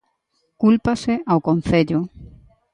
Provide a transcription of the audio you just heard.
Cúlpase ao concello.